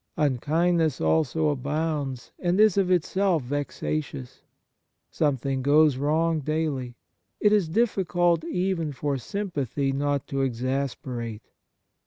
Unkindness also abounds, and is of itself vexatious. Some thing goes wrong daily. It is difficult even for sympathy not to exasperate.